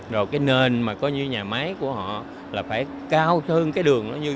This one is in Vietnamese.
rồi cái nền mà có như nhà máy của họ là phải cao hơn cái đường